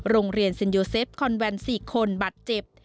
โรงเรียนเซ็นโยเซฟคอนแวน๔คนบาดเจ็บ